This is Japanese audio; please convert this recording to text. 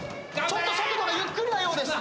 ちょっと速度がゆっくりなようです。